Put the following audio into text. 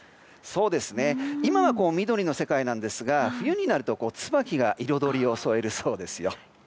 今は緑の世界なんですが冬になるとツバキが彩りを添えるそうですよ。